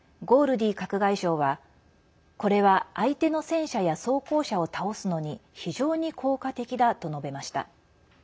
ディー閣外相は、これは相手の戦車や装甲車を倒すのに非常に効果的だと述べました。